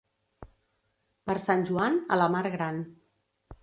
Per Sant Joan, a la mar gran.